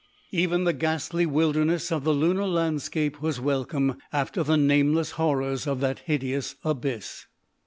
Even the ghastly wilderness of the lunar landscape was welcome after the nameless horrors of that hideous abyss.